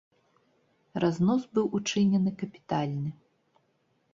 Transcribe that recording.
Разнос быў учынены капітальны.